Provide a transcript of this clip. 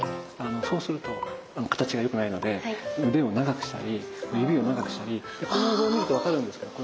そうすると形がよくないので腕を長くしたり指を長くしたりこのお像を見ると分かるんですけど。